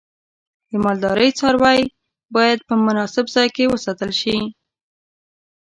د مالدارۍ څاروی باید په مناسب ځای کې وساتل شي.